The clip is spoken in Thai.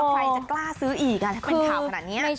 ใครจะกล้าซื้ออีกถ้าเป็นข่าวขนาดนี้